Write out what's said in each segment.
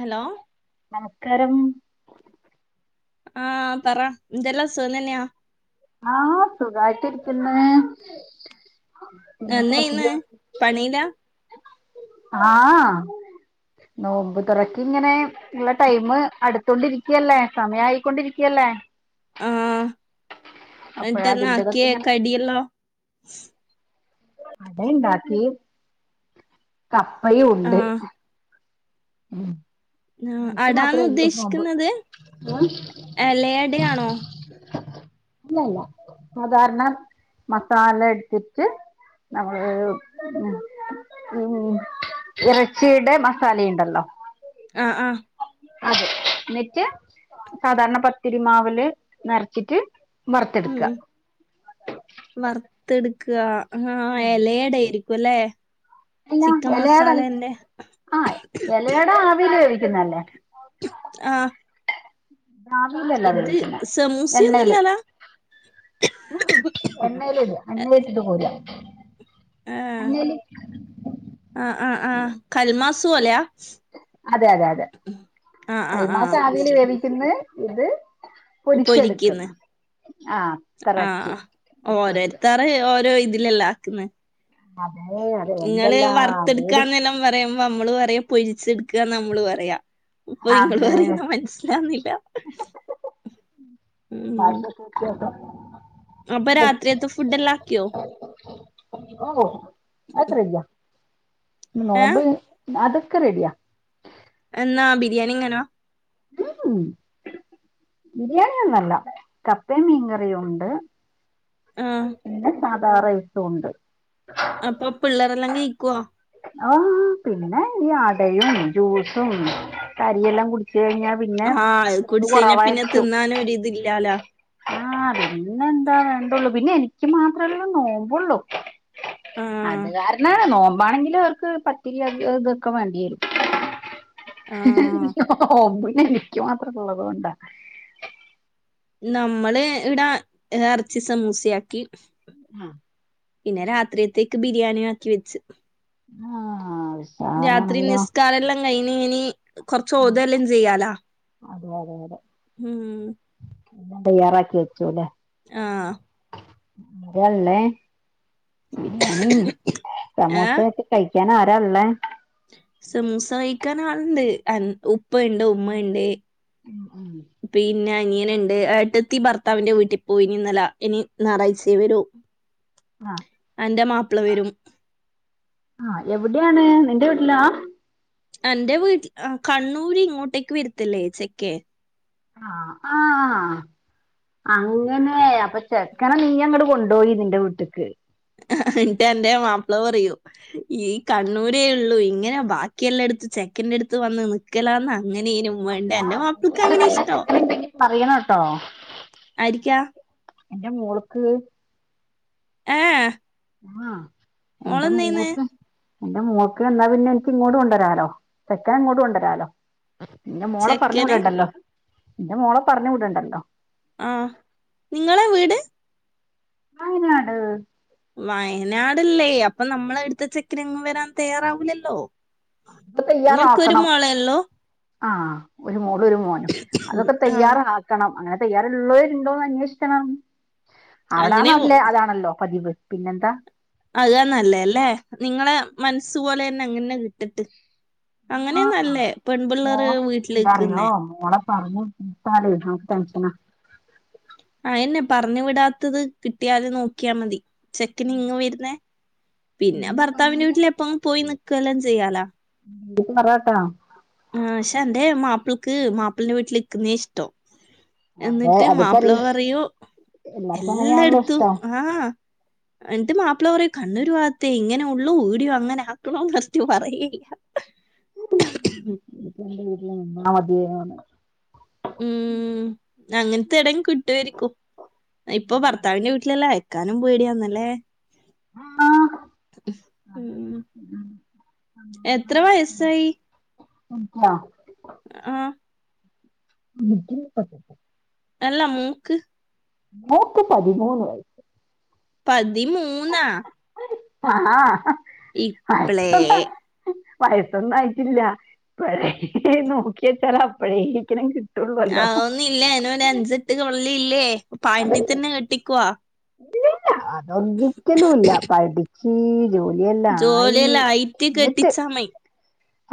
Hello നമസ്ക്കാരം ആഹ് പറ എന്തെല്ലാം സുഖം തെന്നെയാ? ആഹ് സുഖായിട്ട് ഇരിക്ക്‌ന്ന് പിന്നെ കൊർച്ച് ദിവ് ല ആഹ് നോമ്പ് തോറക്കിങ്ങനെ ഉള്ള ടൈംമ് അടുത്തൊണ്ടിരിക്കല്ലേ സമയായിക്കൊണ്ടിരിക്കല്ലേ ഏ ആഹ് അപ്പഴ എൻട്ടന്നാ അതിന്റെതൊക്കെ ആക്കേ ഇങ്ങനെ കടിയല്ലോ അട ഇണ്ടാക്കി, കപ്പയും ആ ഉണ്ട് ഹ് ആ, എനിക്ക് അടാന്ന് മാത്രള്ളു നോമ്പ് ഉദ്ദേശിക്കുന്നത് ഏഹ് ഇലയടയാണോ അല്ലല്ല സാധാരണ മസാല എട്ത്തിട്ട് നമ്മള് ഉം ഉം ഇറച്ചിയുടെ മസാലയുണ്ടല്ലോ ആഹ് ആഹ് അതെ ന്നിറ്റ് സാധാരണ പത്തിരിമാവ് ല് നെർച്ചിട്ട് വർത്തെട്ക്ക ത്ത്ട്ക്ക ഹേ ഹേ എലടെയിരിക്കും അല്ലേ അല്ല ചിക്കൻ എലെട മസാലേന്റെ ആഹ് എലെട ആവില് വെവിക്കുന്നല്ലേ ആഹ് ആവിയിലല്ല വെവിക്കുന്നെ എണ്ണേല് സമൂസയൊന്നുമില്ലല്ലോ ഉം എണ്ണേല് ഇടാ എണ്ണേല് ഇട്ടിട്ട് കോരാ എണ്ണേല് ആഹ് ആഹ് ആഹ് കൽമാസ് പോലെയാ അതെ അതെ അതെ ആ ആ ആ കൽമാസ് ആവില് മനസ്സിലായി വേവിക്ക്ന്ന് ഇത് പൊരിക്കുന്നു പൊരിച്ചെട്ക്ക്ന്ന് ആഹ് കറച്ചി വ്യത്യസ് ലൊ ഇതിലല്ല ആക്ക്ന്ന് അതെ അതെ ഇങ്ങള് എന്തെല്ലാം പേരും വറത്തെടുക്കാന്നെല്ലാം പറയും. അപ്പോ നമ്മള് പറയും പൊരിച്ചെടുക്കുകഎന്നാ നമ്മള് പറയാ. ഇപ്പൊ ഇങ്ങള് അതെ പറയുന്ന മനസിലാവുന്നില്ല. ഭാഷ [unintelligible] അപ്പൊ രാത്രിയത്തെ ഫുഡെല്ലാക്കിയോ? ഓഹ് അതൊക്കെ റെഡിയാ. പിന്നെ നോമ്പ് ഏഹ് അതൊക്കെ റെഡിയാ. എന്നാ ബിരിയാണിയെങ്ങനാ? [unintelligible] ബിരിയാണിയൊന്നുംല്ല. കപ്പയും മീൻകറിയും ഒണ്ട്. ആഹ് പിന്നെ സാധാറ [unintelligible] ഒണ്ട്. അപ്പൊ പിള്ളേരെല്ലാം കയിക്ക്വോ? ആഹ് പിന്നെ ഈ അടയും ജ്യൂസും [unintelligible] കൂടി ച്ച് കഴിഞ്ഞാ പിന്നെ ആഹ് അത് ചൂട് കുടിച്ച് കഴിഞ്ഞാ പിന്നെ കുറവായിരിക്കും. തിന്നാനൊരിതില്ലാലോ ആഹ പിന്നെ എന്താ വേണ്ടുള്ളു പിന്നെ എനിക്ക് മാത്രമല്ലേ നോമ്പുള്ളു ആഹ് അത് കാരണ നോമ്പ ആണെങ്കിലിൽ അവർക്ക് പത്തിരി ഇതൊക്കാൻ വേണ്ടി വരും ആഹ് ഒമ്പ എനിക്ക് മാത്രള്ളത് കൊൊണ്ടാ നമ്മള് ഇവിടാ ഇറച്ചി സമൂസയാക്കി മ്മ് പിന്നെ രാത്രിയത്തേക്ക് ബിരിയാണി ആക്കി വെച്ച് ആ അ രാത്രി നിസ്കാര എല്ലാം കഴഞ്ഞ ഇനി കൊറച്ച് ഓതല്ലും ചെയ്യാലാ അതെ ഉ എല്ല തയ്യാറാക്കി വെച്ചുല്ലെ ആ അരല്ലേ ബിരിയാണിയും സമോസ ഏഹ് ഒക്കെ കഴിക്ക ിക്കാന ആരല്ലേ സമൂസ കഴിക്കൻ ആളണ്ട് ഉപ്പ ഉണ്ട് ഉമ്മ ഉണ്ട് പിന്നെ അനിയന ഉണ്ട് ഏട്ട്ത്തി ഭർത്താവിന്റെ വീട്ടിൽ പോയിനി ഇന്നല ഇനി ഞായറാഴ്ച ഒരു ആ വരും ആ എവിടെയാണ് എടല അന്റെ വീട്ട കണ്ണൂര് ഇങ്ങോട്ടേക്ക് വരത്തില്ലേ ചേക്കേ ആഹ് ആഹ് അങ്ങനെ അപ്പൊ ചെക്കന നീ അങ്ങട് കൊണ്ടോയി നിന്റെ വീട്ട്ക്ക് എന്നിട്ട എന്റെ മാപ്പിള പറയൂ ഈ കണ്ണൂരേ ഉള്ളു ഇങ്ങനെ ബാക്കിയെല്ലാം എടുത്ത് ചെക്കൻ ടുത്ത് വന്ന് നിക്കലാന്ന് അങ്ങനെനും വേണ്ട എൻ്റെ മാപ്പിൾക്ക് അങ്ങനെ നും ഇഷ്ടം പറയണട്ടോ ആരിക്കാ എന്റെ മോള്ക്ക് ഏ എ ആഹ് എൻ്റെ മൂൾക്ക് എന്റെ മോക്ക് എന്നാ പിന്നെ എനിക്ക് ഇങ്ങോട്ട് കൊണ്ടരാലോ ചെക്കന ഇങ്ങട്ട് കൊണ്ടരാലോ ഇന്റെ മോളെ പറഞ്ഞു ചെക്കനെ വിടണ്ടല്ലോ ഇന്റെ മോളെ പറഞ്ഞു വിടണ്ടല്ലോ ആ നിങ്ങളെ വീട് വയനാട് വയനാടല്ലേ അപ്പൊ നമ്മൾ അടുത്ത ചക്കനങ്ങ് വരാൻ തയ്യാറാവൂല്ലല്ലോ അപ്പ തയ്യാറാക്കണം ആഹ് ഒരു മോളും ഒരു മോനും അതൊക്കെ ആ തയ്യാറാക്കണം അങ്ങനെ തയ്യാറുള്ളവരുണ്ടോന്ന് അന്വേഷിക്കണം അവിടാ അങ്ങനെ ഒ- നാട്ട്ല് അതാണല്ലോ പതിവ് പിന്നെന്താ മൻസ് പോലെ തന്നെ അങ്ങനെ ന്നെ കിട്ടട്ട് അങ്ങനയാ ആഹ് നല്ലേ പെൺപിള്ളേർ വീട്ടിൽ നിക്കുന്നേ [unintelligible] ടെൻഷന ന്നെ പറഞ്ഞു വിടാത്തത് കിട്ടിയാതെ നോക്കിയാൽ മതി ചെക്കന് ഇങ്ങ് വരുന്നേ പിന്നെ ഭർത്താവിന്റെ വീട്ടിൽ എപ്പോം പോയി നിക്കല്ലാം ചെയ്യാലാ [unintelligible] പറട്ടാ ആ ക്ഷ അന്റെ മാപ്പിൾക്ക് മാപ്പളന്റെ വീട്ടിൽ ക്കുന്നേ ഇഷ്ടം അതെ എന്നിട്ട് അതിപ്പോ മാപ്പിള പറയൂ എല്ലാർക്കും എല്ലാ അങ്ങനെയാണല്ലോ എടുത്തു ഇഷ്ടം ആഹ് എന്നിട്ട് മാപ്പിള പറയും കണ്ണൂരു വാഗത്തെ ഇങ്ങനെ ഉള്ളൂ ഈടിയു അങ്ങനെ ആക്കണോന്ന് ഫസ്റ്റ് പറയല്ല വീട്ടില് എന്റെ വീട്ടില് നിന്നാ മതിയേ പറഞ്ഞ് ഉം അങ്ങനത്തെ ഏടിം കിട്ടുവാരിക്കും ഇപ്പൊ ഭർത്താവിന്റെ വീട്ടിലല്ലെ ക്കാനും പേടിയാന്നല്ലേ ആഹ് ഊം എത്ര വയസായി ആ ഇനി ക്ക് [unintelligible] അല്ല മൂക്ക് മോക്ക് പതിമൂന്ന് വയസ്സ് പതിമൂന്നാ ആഹ് ഇപ്ളേ വയസൊന്നും ആയിട്ടില്ല ഇപ്പഴേ നോക്കിയെച്ചാല അപ്പഴേക്നും അതൊന്നും ഇല്ല അനെ ഒരു അഞ്ചെട്ട് കൊള്ളി ഇല്ലേ പാൻട്ടീ തന്നെ കെട്ടിക്കോ ഇല്ലില്ല അതൊരിക്കലും ഇല്ല പഠിച്ച് ജോ ജോലി യെല്ല ആയിറ്റ് കെട്ടിച്ചാമയി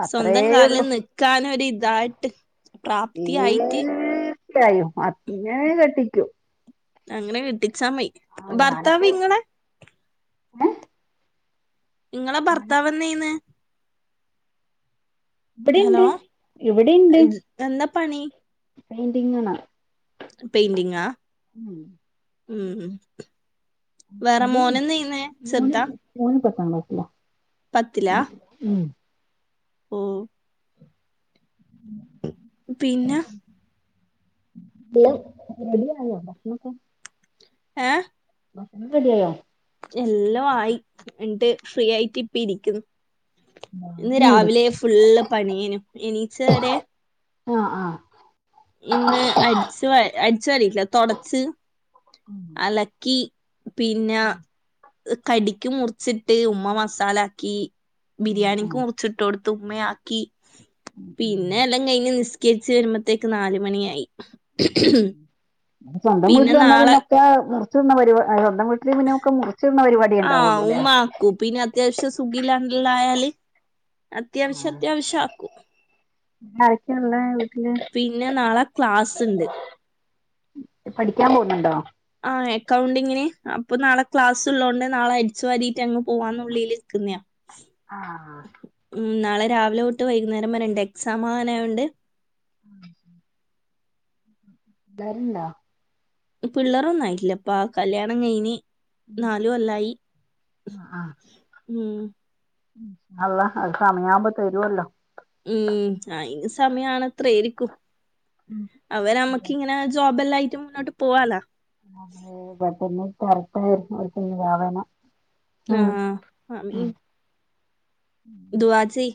അത്രേ സ്വന്തം കാലിൽ ഉള്ളൂ നിക്കാനൊരു ഇതായിട്ട് പ്രാപ്തി ആയിട്ട് തീർച്ചായും അങ്ങെനെ കെട്ടിക്കു അങ്ങനെ കെട്ടിച്ചാ മതി ഭർത്താവ് ഇങ്ങെളെ എ നിങ്ങളെ ഭർത്താവ്ന്തയിന്ന് ഇവിടെണ്ട് ഹലോ ഇവിടെണ്ട് എന്താ പണി പെയിന്റിങ്ങാ ണോ പെയിന്റിങ്ങാ ഉം ഉം വേറെ മോനെന്നേന്ന് ഊന ചെറുതാ പത്ത് ണ്ടിട്ടില്ല പത്തിലാ ഉ ഓ പിന്നെ ഹലോ റെഡി ആയോ ഏ റെഡി ആയോ എല്ലം ആയി എന്നിട്ട് ഫ്രീ ആയിട്ട് ഇപ്പ ഇരിക്കുന്നു ഇന്ന് ഞാന് വിളിക്ക രാവിലെ ഫുള്ളൂ പണിയനും എന്നീച്ചരെച്ചരെ ആ ആ ഇന്ന് അരിച്ച് അരിച്ചു വാരിയില്ല തൊടച്ചു അലക്കി പിന്നെ കടിക്ക് മുറിച്ചിട്ട് ഉമ്മ മസാലാക്കി ആഹ് ബിരിയാണിക്കു ആഹ് മുറിച്ചിട്ടു കൊടുത്തു ഉമ്മ ആക്കി പിന്നെ എല്ലാം കഴിഞ്ഞ് നിസ്കേരി ച്ചു വരുമ്പോത്തേക്ക് നാലു മണിയായി [unintelligible] സ്വന്തം വീട്ടിൽ വന്നാ പിന്നെ ഒക്കെ മുറിച്ചു തിന്ന പരിപാടി വീട്ടിൽ മുന്നക്കെ മുറിച്ചിന്നുന്ന പരിപാടി ആഹ് ഉണ്ടാവുള്ളൂ അല്ലേ ഇല്ലായാലെ അത്യാവശ്യം ആഹ് അത്യാവശ്യ ആക്കും ആരൊക്കെയുള്ളെ വീട്ടില് പിന്നെ നാളെ ക്ലാസ്സിണ്ട് പഠിക്കാൻ പോന്നുണ്ടോ ആ അക്കൗണ്ടിങ്ങിന് അപ്പൊ നാളെ ക്ലാസ് ഉള്ളോണ്ട് നാളെ അടിച്ചു വാ രീട്ടങ്ങ് പോവാന്നുള്ളിൽ നിക്കിന്നെയാ ആ അ ആ ഉം നാളെ രാവിലെ തൊട്ട് വൈകുന്നേരം വരെണ്ട് എക്സാം ആങ്ങനായണ്ട് തരേണ്ടോ പിള്ളേരൊന്നും ആയില്ലപ്പാ ആ കല്യാണം കഴിഞ്ഞ് നാലു കൊല്ലായി ആഹ് ആഹ് ഉം അള്ളാ അത് സമയാമ്പോ തരുവല്ലോ. ഉം അയിനു സമയാണത്രെ [unintelligible] ഉം അവര് അതെ നമ്മുക്കിങ്ങനെ ജോബെല്ലായിട്ട് മുന്നോട്ട് പോവാലൊ. [unintelligible] ഉം ആഹ് ഉം ആമീൻ ദുആ ചെയ്യ്.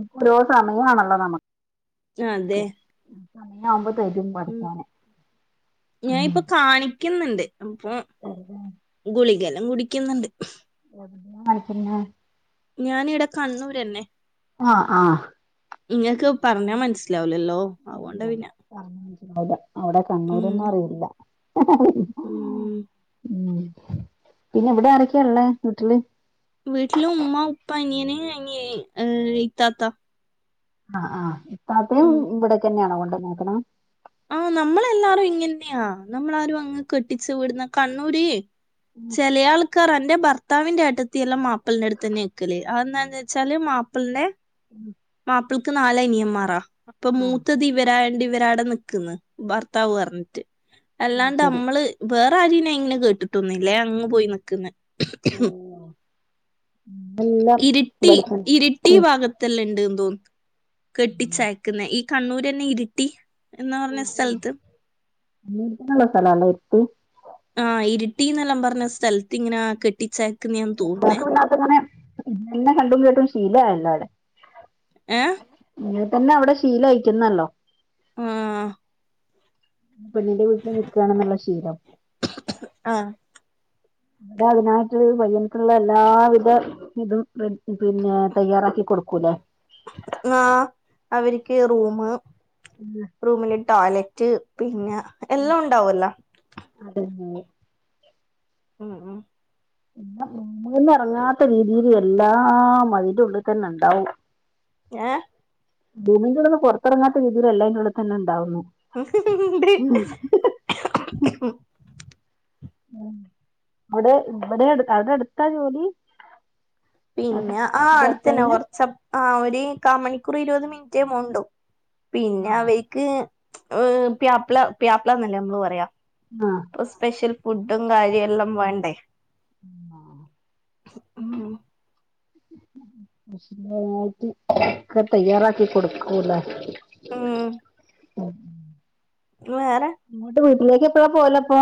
എത്രോ സമയാണല്ലോ നമുക്ക്. അതെ. സമയ ആവുമ്പോത്തരും ഉം പടച്ചോന് ഞാൻ മ് ഇപ്പൊ കാണിക്കുന്നുണ്ട് അപ്പൊ ഗുളികെല്ലാം കുടിക്കുന്നുണ്ട്. എവിടുന്നാ വാങ്ങിക്കുന്നേ? ഞാനീയിടെ കണ്ണൂരെന്നെ ആഹ് ആഹ് ഇങ്ങക്ക് പർഞ്ഞാ മൻസ്സിലാവ് ലല്ലോ അതുകൊണ്ടാ പിന്നെ അതെ അവിടെ ഉം കണ്ണൂരെന്നെ അറിയില്ല ഉം ഉം പിന്നെ ഇവിടെ ആരൊക്കെള്ളേ വീട്ടില് വീട്ടിലുമ്മ ഉപ്പ അനിയന് അനിയേയ് എഹ് ഇത്താത്ത ആഹ് ആഹ് ഇത്താത്തയും ഉം ഇവിടെത്ത ന്നെയാണോ കൊണ്ടെ നോക്കണെ ആഹ് നമ്മളെല്ലാരും ഇങ്ങന്നെയാ നമ്മളാരും അങ്ങ് കെട്ടിച്ചു വീടുന്ന കണ്ണൂര് ചെലെ ആൾക്കാർ എന്റെ ഭർ ത്താവിന്റെ ഏട്ടത്തി എല്ലാം മാപ്പൾന്റെ അടുത്ത് തന്നെ ഇക്കല് അഎന്നാന്ന് വെച്ചാല് മാപ്പിളിനെ മാപ്പിൾക്ക് നാലനിയൻ മാറാ അപ്പൊ ആഹ് മൂത്തതിവരായാണ്ടി ഇവരാവടെ നിക്കുന്നെ ഭർത്താവ് പറഞ്ഞിട്ട് അത് അല്ലാണ്ട് ശരി നമ്മള് വേ പ്പ ആരിനെ എങ്ങനെ കേട്ടിട്ടൊന്നുംല്ല ഏഹ് അങ് പോയി നിക്ക്ന്ന് എല്ലാം ഇരിട്ടി ഇവിടെത്തന്നെ ഇരിട്ടി ഉം ഭാഗത്തല്ലൺ ണ്ട് തോന്ന് കെട്ടിച്ചയക്കുന്ന ഈ കണ്ണൂരന്നെ ഇരിട്ടി എന്നാ പറഞ്ഞ സ്ഥലത്ത് നിൽക്കാനുള്ള സ്ഥലാല്ലേ എരുത്ത് ആഹ് ഇരി ട്ടീന്നെല്ലാം പർഞ്ഞ സ്ഥലത്ത് ഇങ്ങനെ കെട്ടിച്ച [unintelligible] കണ്ടും കേട്ടും ശീലയല്ലോ അവിടെ ഏഹ് പിന്നെ അവിടെ ശീല അഴിക്കുന്നല്ലോ ആഹ് പെണ്ണിന്റെ വീട്ടിൽ നിക്കയാണെന്നുള്ള ശീലം ആഹ് അടെ അയ്നായിട്ട് പയ്യനക്ള്ള എല്ലാവിധ ഇതും പിന്നെ തയ്യാറാക്കി കൊടുക്കൂലെ ന്നാ അവർക്ക് റൂമ് റൂമില് ടോയ്ലറ്റ് പിന്നെ എല്ലാം ഉണ്ടാവല്ലോ അത് തന്നേ ഉം ഉം [unintelligible] ഇറങ്ങാത്ത വീടുകളിൽ എല്ലാം അതിന്റെ ഉള്ളിൽ തന്നെ ഉണ്ടാവും ഏ റൂമിന്റെ ഉള്ളീന്ന് പുറത്തിറങ്ങാത്ത രീതിയിൽ എല്ലാം അതിന്റെ ഉള്ളിൽ തന്നേ ഉണ്ടാവൂന്ന് ഉണ്ട് ഉം ഇവിടെ ഇവിടെ അടു അവിടെ അടുത്താ ജോലി പിന്നെ ആ അടുത്ത് തന്നെയാ ഭർത്താവിന് കൊറച്ച ആ ഒരു കാൽ മണി [unintelligible] ഒരു മിനിറ്റേ മുണ്ടു ആ പിന്നെ അവയ്ക്ക് ഏ പ്യാപ്ല പ്യാപ്ലന്നല്ലേ നമ്മള് പറയുക ഇപ്പൊ സ്പെഷ്യൽ ഫുഡും കാര്യം എല്ലാം വേണ്ടേ ആഹ് ഉം സ്പെഷ്യലായിട്ട് ഒക്കെ തയ്യാറാക്കി കൊടുക്കൂലേ ഉം ആഹ വേറെ ഇല്ലേക്ക് എപ്പഴാ പോലപ്പോ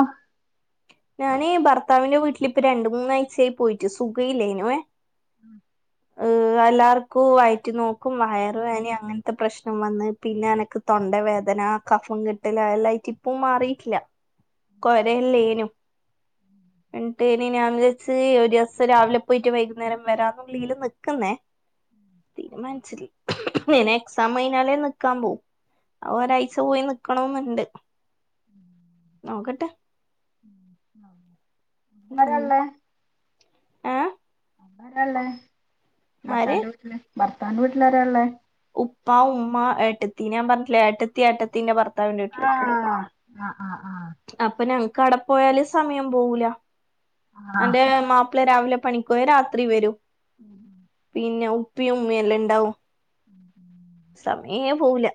ഞാനെ ഭർത്താവിന്റെ വീട്ടിലിപ്പ രണ്ട മൂന്നാഴ്ചയായി പോയിട്ട് സുഖ ഇല്ലേനുവേ ഉം എല്ലാവർക്കും വയറ്റി നോക്കും വയറ് വേന അങ്ങനത്തെ പ്രശ്നം വന്ന് പിന്നെ എനക്ക് തൊണ്ട വേദന പി ആ കഫം കിട്ടല എല്ലായിട്ട് ഇപ്പ മാറിട്ടില്ല കൊരയല്ലേനും ഉം എന്നിട്ട് ഇനി വിചരിച് ഒരു ദിവസം രാവിലെ പോയിട്ട് വൈകുന്നേരം വരാന്ന് വിള്ളീൽ നിൽക്കുന്നേ തീരുമാനിച്ചില്ലേ ഇനെ എക്സാം കഴഞ്ഞാലേ നിക്കാൻ പോവും ഒരാഴ്ച പോയി നിക്കണന്നുണ്ട് നോക്കട്ടെ ഉ ആഹ ഉ ഏ അരാള്ളേ ആര് ഭർത്താന്റെ വീട്ടില് ഭർത്താന്റെ വീട്ടില അരാ ഉള്ളേ ഉപ്പ ഉമ്മ ഏട്ടത്തി ഞാൻ പറഞ്ഞട്ടില്ല ഏത്തി ആട്ടത്തിന്റെ ഭർ ആഹ ആഹ ആഹ് ആഹ കട പോയല് സമയം പോകൂല ആ അന്റെ മാപ്പിളെ രാവിലെ പണിക്ക് പോയ രാത്രി വരൂ പിന്നെ ഉപ്പയും ഉമ്മയും എല്ലാം ഉണ്ടാവും ഉം ഉം സമയേ പോവൂല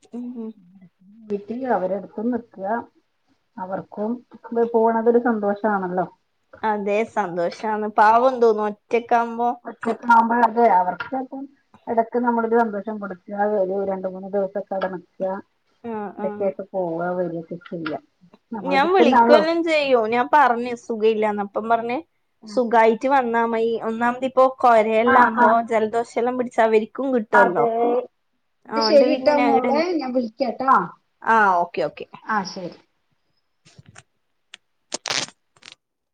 ഉം, ഉം. വീട്ടില് അവരെടുത്തന്ന് നിക്കുക അവർക്കും പോണതില് സന്തോഷമാണല്ലോ അതെ സന്തോഷന്ന് പാവം തോന്നുന്നു ഒറ്റക്ക ആവുമ്പോ ഒറ്റക്കാവുമ്പോ അതെ അവർക്ക് അപ്പം ഇടക്ക് നമ്മളൊരു സന്തോഷം കൊടുക്കുക വല ഒരു രണ്ട മൂന്ന്ു ദിവസം കട നക്കുക ആ ഇടക്ക ആ ഒക്കെ പോവുക വല ചെയല്ല ഞാൻ വിളിക്കുവ എല്ലാം ചെയ്യോ ഞാൻ പറഞ്ഞു സുഖ ഇല്ലാന്ന് അപ്പം പറഞ്ഞഞ് സുഖായിട്ട് വന്നാ മതി ഒന്നാമതി ഇപ്പോൊ കൊരയെല്ലാം ആഹ് ആകുമ്പോ ആഹ് ജലദോഷം എെല്ലാം പിടിച്ചാരിക്ക അതെ എന്ന പിന്നെ ശരിട്ടാ ഞാൻ മോളെ ഇടന്നെ ഞാൻ വിളിക്കാട്ടാ ആഹ് ഓക്കെ ഓക്കെ ആഹ ശരി [inaudible]